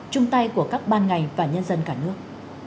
chung tay của các ban ngành và nhân dân cả nước